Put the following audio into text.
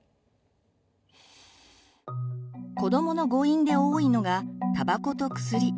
子どもの誤飲で多いのがたばこと薬。